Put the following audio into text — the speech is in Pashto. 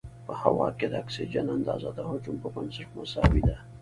په هوا کې د اکسیجن اندازه د حجم په بنسټ مساوي ده.